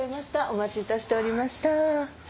お待ちいたしておりました。